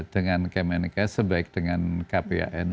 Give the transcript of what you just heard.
dengan kemenkes sebaik dengan kpan